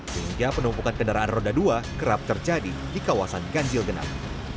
sehingga penumpukan kendaraan roda dua kerap terjadi di kawasan ganjil genap